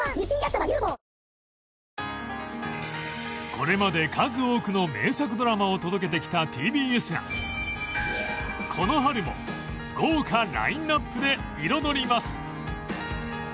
これまで数多くの名作ドラマを届けてきたＴＢＳがこの春も豪華ラインナップで彩ります